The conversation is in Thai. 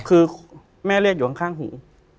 คือแม่เลือดอยู่ข้างหู